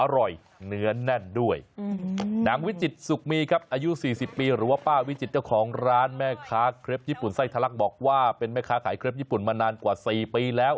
เนื้อแน่นด้วยนางวิจิตสุขมีครับอายุ๔๐ปีหรือว่าป้าวิจิตเจ้าของร้านแม่ค้าเครปญี่ปุ่นไส้ทะลักบอกว่าเป็นแม่ค้าขายเครปญี่ปุ่นมานานกว่า๔ปีแล้ว